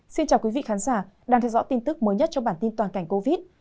xin chào quý vị khán giả đang theo dõi tin tức mới nhất trong bản tin toàn cảnh covid